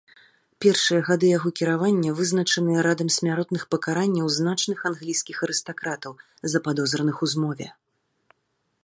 Першыя гады яго кіравання вызначаныя радам смяротных пакаранняў значных англійскіх арыстакратаў, западозраных у змове.